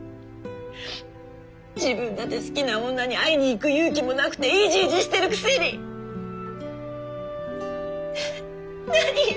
自分だって好きな女に会いに行く勇気もなくてイジイジしてるくせに！何よ。